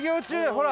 ほら！